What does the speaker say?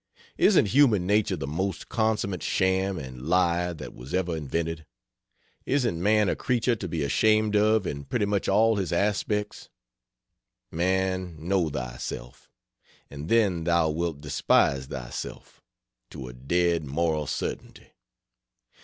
Isn't human nature the most consummate sham and lie that was ever invented? Isn't man a creature to be ashamed of in pretty much all his aspects? Man, "know thyself " and then thou wilt despise thyself, to a dead moral certainty.